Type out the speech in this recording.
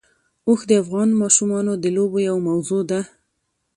اوښ د افغان ماشومانو د لوبو یوه موضوع ده.